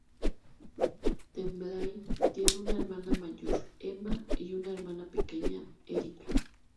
Tremblay tiene una hermana mayor, Emma, y una hermana pequeña, Erica.